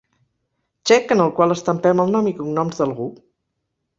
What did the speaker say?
Xec en el qual estampem el nom i cognoms d'algú.